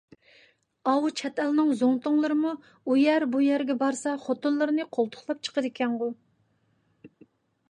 ئاۋۇ چەت ئەلنىڭ زۇڭتۇلىرىمۇ ئۇ يەر – بۇ يەرگە بارسا خوتۇنلىرىنى قولتۇقلاپ چىقىدىكەنغۇ!